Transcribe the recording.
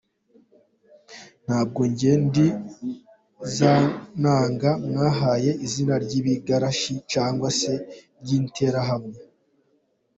Ntabwo njye ndi za nanga mwahaye izina ry’ibigarasha cyangwa se ry’interahamwe.